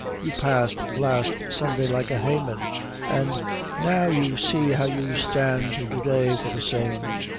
You passed last Sunday like a haythen, an' now you see how you stand to day for the same."